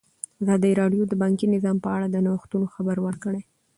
ازادي راډیو د بانکي نظام په اړه د نوښتونو خبر ورکړی.